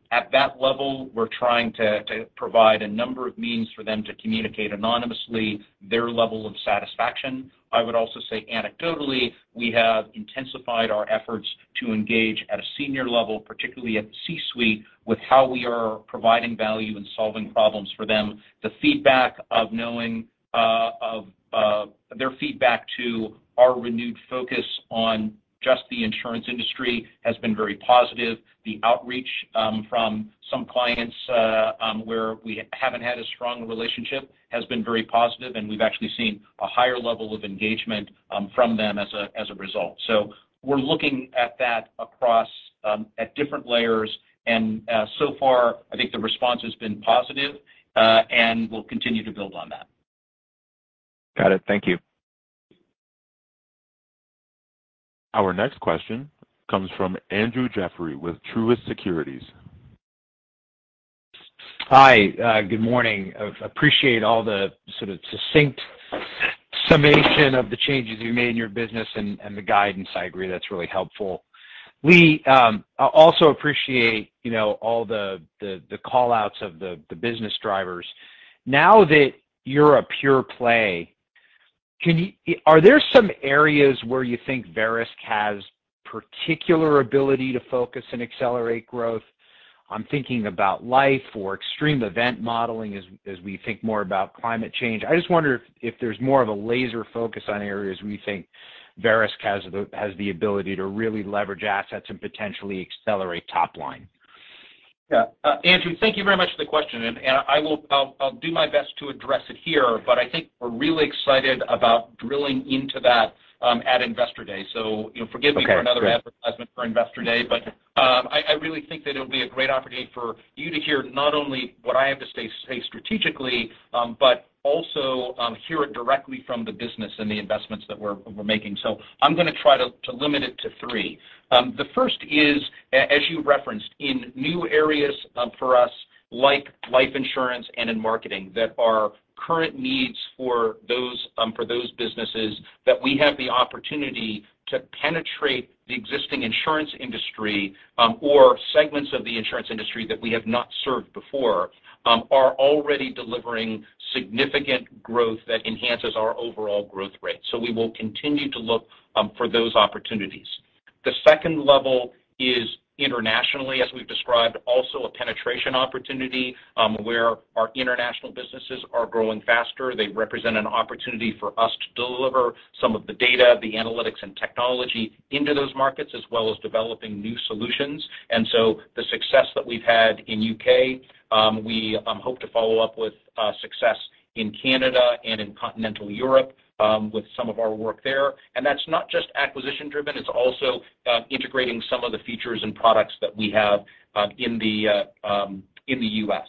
At that level, we're trying to provide a number of means for them to communicate anonymously their level of satisfaction. I would also say anecdotally, we have intensified our efforts to engage at a senior level, particularly at C-suite, with how we are providing value and solving problems for them. The feedback of knowing their feedback to our renewed focus on just the insurance industry has been very positive. The outreach from some clients where we haven't had a strong relationship has been very positive, and we've actually seen a higher level of engagement from them as a result. We're looking at that across, at different layers, and, so far I think the response has been positive, and we'll continue to build on that. Got it. Thank you. Our next question comes from Andrew Jeffrey with Truist Securities. Hi. Good morning. Appreciate all the sort of succinct summation of the changes you made in your business and the guidance. I agree that's really helpful. Lee, also appreciate, you know, all the call-outs of the business drivers. Now that you're a pure play, are there some areas where you think Verisk has particular ability to focus and accelerate growth? I'm thinking about life or extreme event modeling as we think more about climate change. I just wonder if there's more of a laser focus on areas we think Verisk has the ability to really leverage assets and potentially accelerate top line. Andrew, thank you very much for the question and I'll do my best to address it here. I think we're really excited about drilling into that at Investor Day. You know, forgive me for another advertisement for Investor Day, but I really think that it'll be a great opportunity for you to hear not only what I have to say strategically, but also hear it directly from the business and the investments that we're making. I'm gonna try to limit it to three. The first is as you referenced in new areas, for us, like life insurance and in marketing that are current needs for those, for those businesses that we have the opportunity to penetrate the existing insurance industry, or segments of the insurance industry that we have not served before, are already delivering significant growth that enhances our overall growth rate. We will continue to look for those opportunities. The second level is internationally, as we've described, also a penetration opportunity, where our international businesses are growing faster. They represent an opportunity for us to deliver some of the data, the analytics and technology into those markets, as well as developing new solutions. The success that we've had in U.K., we hope to follow up with success in Canada and in continental Europe with some of our work there. That's not just acquisition driven, it's also integrating some of the features and products that we have in the U.S.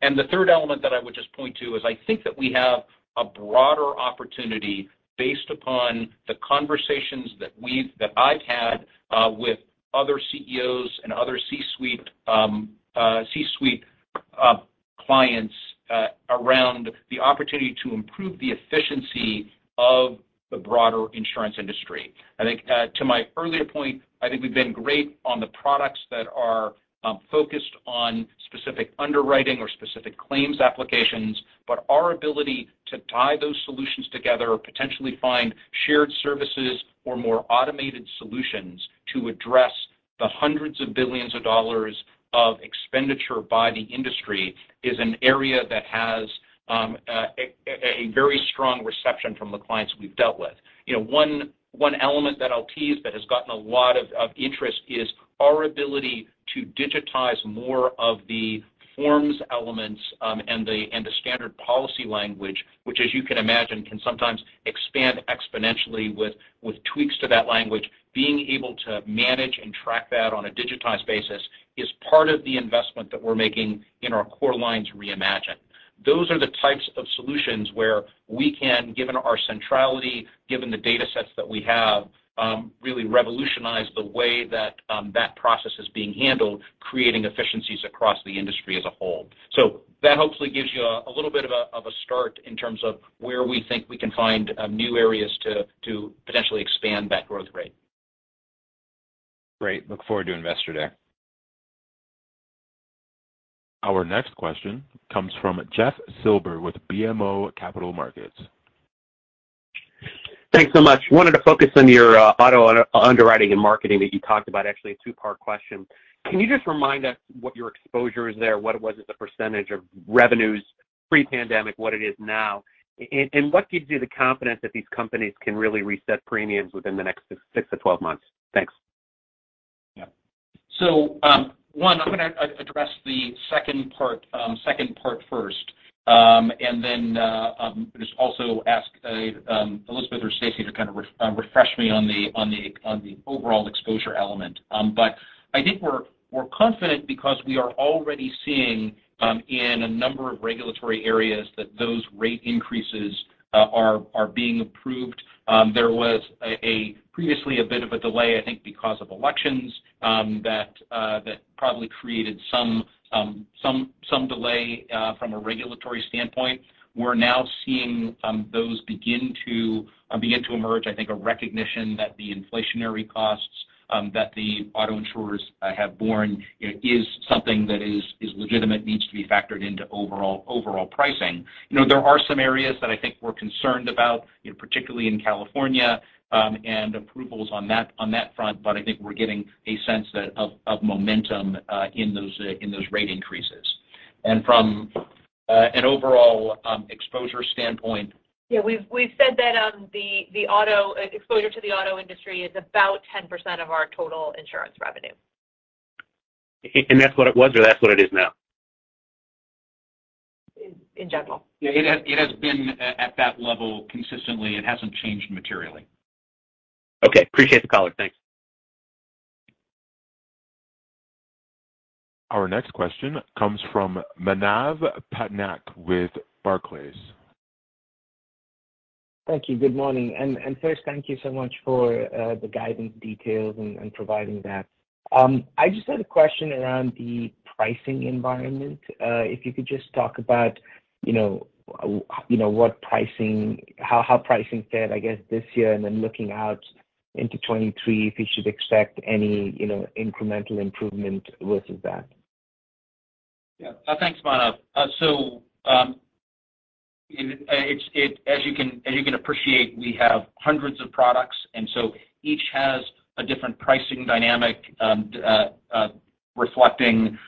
The third element that I would just point to is I think that we have a broader opportunity based upon the conversations that I've had with other CEOs and other C-suite clients around the opportunity to improve the efficiency of the broader insurance industry. I think, to my earlier point, I think we've been great on the products that are focused on specific underwriting or specific claims applications, but our ability to tie those solutions together or potentially find shared services or more automated solutions to address the hundreds of billions of dollars of expenditure by the industry is an area that has a very strong reception from the clients we've dealt with. You know, one element that I'll tease that has gotten a lot of interest is our ability to digitize more of the forms elements, and the standard policy language, which as you can imagine, can sometimes expand exponentially with tweaks to that language. Being able to manage and track that on a digitized basis is part of the investment that we're making in our Core Lines Reimagine. Those are the types of solutions where we can, given our centrality, given the data sets that we have, really revolutionize the way that process is being handled, creating efficiencies across the industry as a whole. That hopefully gives you a little bit of a start in terms of where we think we can find new areas to potentially expand that growth rate. Great. Look forward to Investor Day. Our next question comes from Jeff Silber with BMO Capital Markets. Thanks so much. Wanted to focus on your, auto underwriting and marketing that you talked about. Actually, a two-part question. Can you just remind us what your exposure is there? What was it the percentage of revenues pre-pandemic, what it is now? What gives you the confidence that these companies can really reset premiums within the next 6-12 months? Thanks. one, I'm gonna address the second part, second part first, just also ask Elizabeth or Stacey to kind of refresh me on the overall exposure element. I think we're confident because we are already seeing in a number of regulatory areas that those rate increases are being approved. There was a previously a bit of a delay, I think because of elections, that probably created some delay from a regulatory standpoint. We're now seeing those begin to emerge. I think a recognition that the inflationary costs that the auto insurers have borne, you know, is something that is legitimate, needs to be factored into overall pricing. You know, there are some areas that I think we're concerned about, you know, particularly in California, and approvals on that front, but I think we're getting a sense that of momentum in those rate increases. From an overall exposure standpoint. We've said that, the auto exposure to the auto industry is about 10% of our total insurance revenue. that's what it was or that's what it is now? In general. It has been at that level consistently. It hasn't changed materially. Okay. Appreciate the color. Thanks. Our next question comes from Manav Patnaik with Barclays. Thank you. Good morning. First, thank you so much for the guidance details and providing that. I just had a question around the pricing environment. If you could just talk about, you know, what pricing how pricing fared, I guess, this year, and then looking out into 2023, if we should expect any, you know, incremental improvement versus that. Yeah. Thanks, Manav. It's as you can appreciate, we have hundreds of products. Each has a different pricing dynamic, reflecting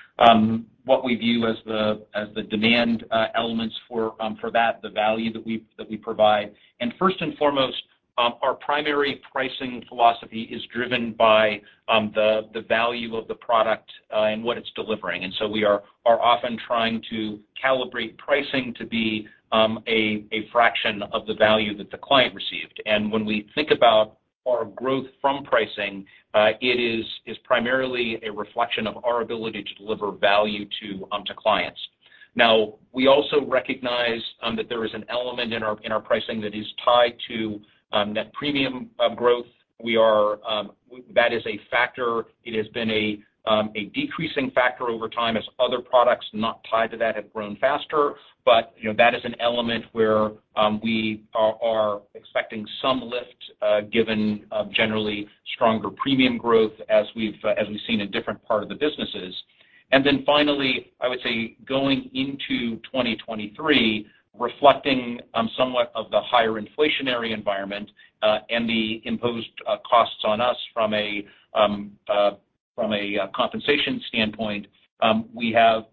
what we view as the demand elements for that, the value that we provide. First and foremost, our primary pricing philosophy is driven by the value of the product and what it's delivering. We are often trying to calibrate pricing to be a fraction of the value that the client received. When we think about our growth from pricing, it is primarily a reflection of our ability to deliver value to clients. We also recognize that there is an element in our pricing that is tied to net premium growth. We are, that is a factor. It has been a decreasing factor over time as other products not tied to that have grown faster. You know, that is an element where we are expecting some lift, given generally stronger premium growth as we've seen in different part of the businesses. Finally, I would say going into 2023, reflecting somewhat of the higher inflationary environment, and the imposed costs on us from a compensation standpoint, we have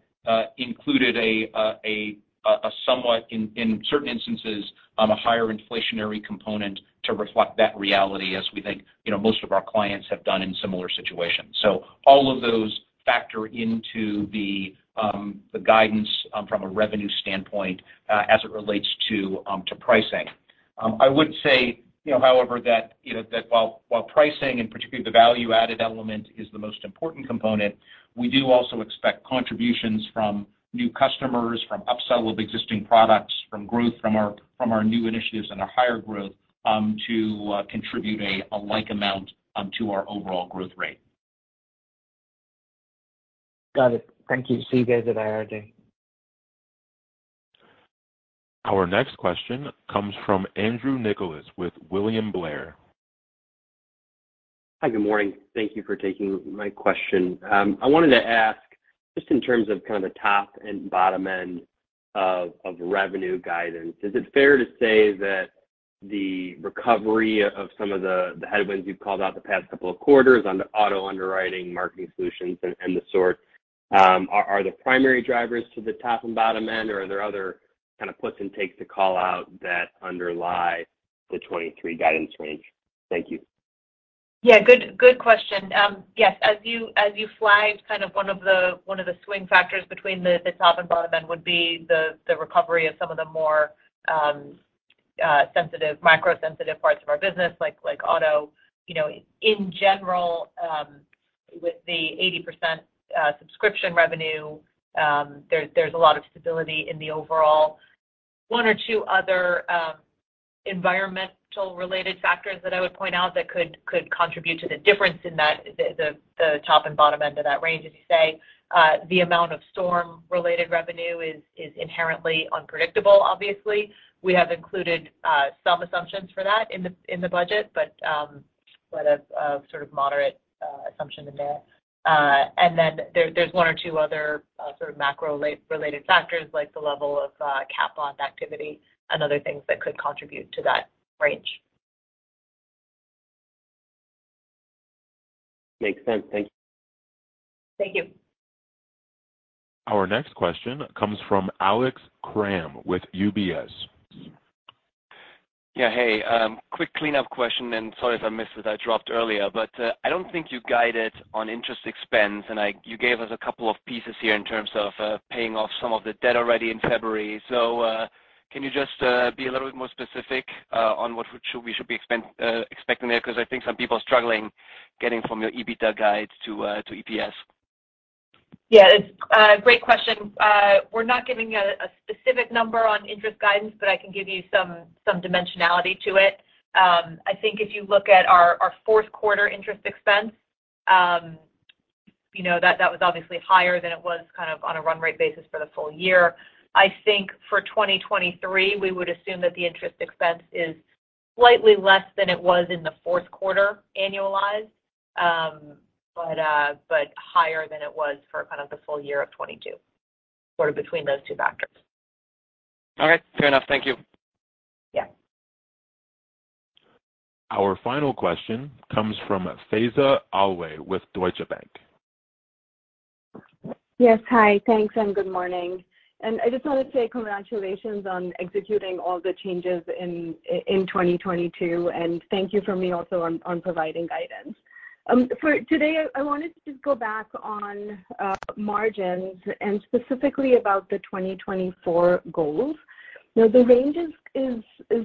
included a somewhat in certain instances a higher inflationary component to reflect that reality as we think, you know, most of our clients have done in similar situations. All of those factor into the guidance from a revenue standpoint, as it relates to pricing. I would say, you know, however, that, you know, that while pricing and particularly the value-added element is the most important component, we do also expect contributions from new customers, from upsell of existing products, from growth from our new initiatives and our higher growth to contribute a like amount to our overall growth rate. Got it. Thank you. See you guys at IR Day. Our next question comes from Andrew Nicholas with William Blair. Hi. Good morning. Thank Thank you for taking my question. I wanted to ask just in terms of kind of the top and bottom end of revenue guidance, is it fair to say that the recovery of some of the headwinds you've called out the past couple of quarters on the auto underwriting, marketing solutions, and the sort are the primary drivers to the top and bottom end or are there other kind of puts and takes to call out that underlie the 2023 guidance range? Thank you. Yeah, good question. Yes, as you flagged, kind of one of the swing factors between the top and bottom end would be the recovery of some of the more sensitive, micro-sensitive parts of our business like auto. You know, in general. With the 80% subscription revenue, there's a lot of stability in the overall. One or two other environmental related factors that I would point out that could contribute to the difference in that the top and bottom end of that range, as you say. The amount of storm related revenue is inherently unpredictable, obviously. We have included some assumptions for that in the budget, but a sort of moderate assumption in there. There's one or two other sort of macro related factors like the level of cap on activity and other things that could contribute to that range. Makes sense. Thank you. Thank you. Our next question comes from Alex Kramm with UBS. Yeah. Hey, quick cleanup question, and sorry if I missed it, I dropped earlier. I don't think you guided on interest expense, and you gave us a couple of pieces here in terms of paying off some of the debt already in February. Can you just be a little bit more specific on what we should be expecting there? 'Cause I think some people are struggling getting from your EBITDA guide to EPS. Yeah. It's a great question. We're not giving a specific number on interest guidance, but I can give you some dimensionality to it. I think if you look at our fourth quarter interest expense, you know, that was obviously higher than it was kind of on a run rate basis for the full year. I think for 2023, we would assume that the interest expense is slightly less than it was in the fourth quarter annualized, but higher than it was for kind of the full year of 2022. Sort of between those two factors. All right. Fair enough. Thank you. Yeah. Our final question comes from Faiza Alwy with Deutsche Bank. Yes. Hi. Thanks, good morning. I just wanted to say congratulations on executing all the changes in 2022, and thank you for me also on providing guidance. For today, I wanted to just go back on margins and specifically about the 2024 goals. You know, the range is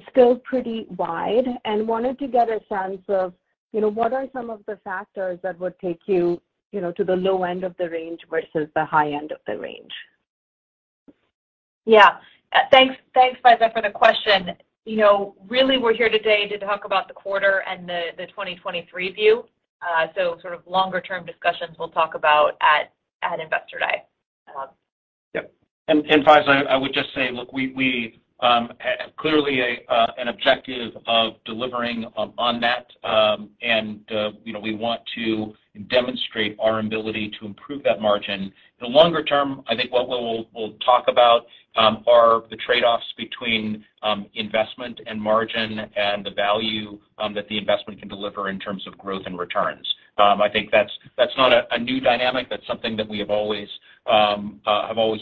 still pretty wide and wanted to get a sense of, you know, what are some of the factors that would take you know, to the low end of the range versus the high end of the range? Yeah. Thanks, Faiza, for the question. You know, really, we're here today to talk about the quarter and the 2023 view. Sort of longer term discussions we'll talk about at Investor Day. Yep. Faiza, I would just say, look, we clearly an objective of delivering on that, you know, we want to demonstrate our ability to improve that margin. In the longer term, I think what we'll talk about are the trade-offs between investment and margin and the value that the investment can deliver in terms of growth and returns. I think that's not a new dynamic. That's something that we have always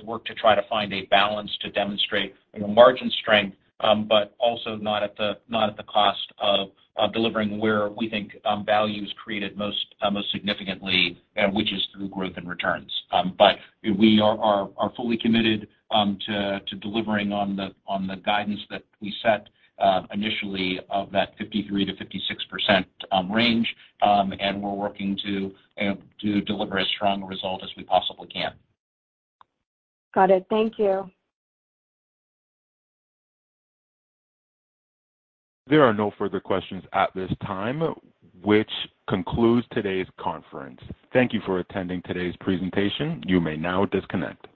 worked to try to find a balance to demonstrate, you know, margin strength, but also not at the cost of delivering where we think value is created most significantly, which is through growth and returns. We are fully committed to delivering on the guidance that we set initially of that 53%-56% range, and we're working to deliver as strong a result as we possibly can. Got it. Thank you. There are no further questions at this time, which concludes today's conference. Thank you for attending today's presentation. You may now disconnect.